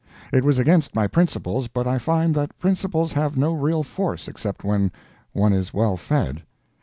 It was against my principles, but I find that principles have no real force except when one is well fed....